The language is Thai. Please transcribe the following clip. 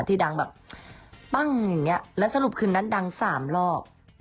ที่ดังแบบปั้งอย่างเงี้ยแล้วสรุปคืนนั้นดังสามรอบ